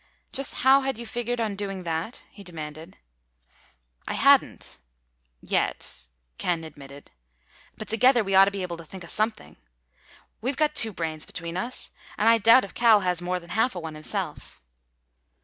"Just how had you figured on doing that?" he demanded. "I hadn't—yet," Ken admitted. "But together we ought to be able to think of something. We've got two brains between us—and I doubt if Cal has more than half a one himself."